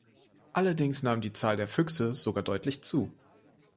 Allerdings nahm die Zahl der Füchse sogar deutlich zu.